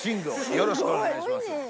よろしくお願いします。